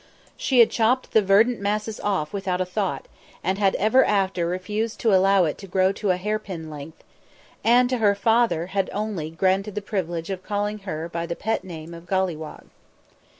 She had chopped the verdant masses off without a thought, and had ever after refused to allow it to grow to hairpin length, and to her father only had granted the privilege of calling her by the pet name of Golliwog.